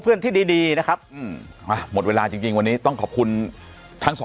เพื่อนที่ดีดีนะครับหมดเวลาจริงจริงวันนี้ต้องขอบคุณทั้งสอง